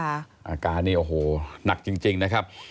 อาการนี่โอ้โหหนักจริงนะครับ